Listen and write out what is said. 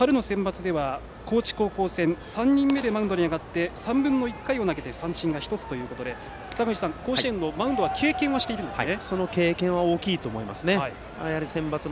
春のセンバツでは高知高校戦３人目でマウンドに上がって３分の１回を投げて三振が１つということで坂口さん甲子園のマウンドは経験はしているんですね。